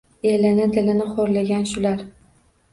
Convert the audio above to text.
Elini, dilini xo’rlagan shular!